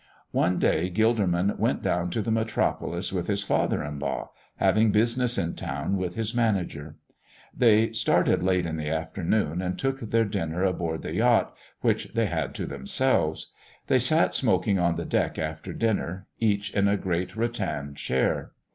One day Gilderman went down to the metropolis with his father in law, having business in town with his manager. They started late in the afternoon, and took their dinner aboard the yacht, which they had to themselves. They sat smoking on the deck after dinner, each in a great rattan chair.